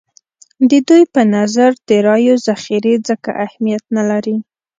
د دوی په نظر د رایو ذخیرې ځکه اهمیت نه لري.